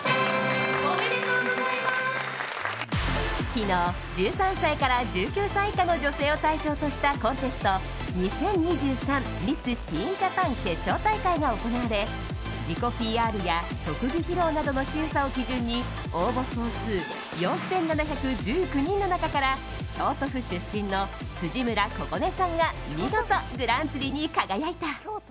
昨日、１３歳から１９歳以下の女性を対象としたコンテスト２０２３ミス・ティーン・ジャパン決勝大会が行われ自己ＰＲや特技披露などの審査を基準に応募総数４７１９人の中から京都府出身の辻村心響さんが見事、グランプリに輝いた。